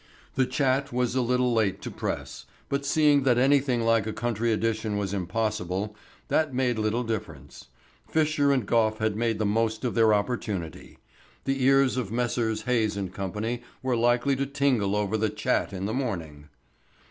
The Chat was a little late to press, but seeing that anything like a country edition was impossible, that made little difference. Fisher and Gough had made the most of their opportunity. The ears of Messrs. Hayes & Co. were likely to tingle over the Chat in the morning.